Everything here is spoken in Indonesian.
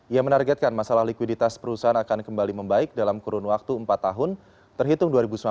ia menargetkan masalah likuiditas perusahaan akan kembali membaik dalam kurun waktu empat tahun terhitung dua ribu sembilan belas